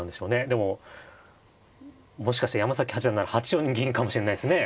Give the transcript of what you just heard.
でももしかして山崎八段なら８四銀かもしれないですね。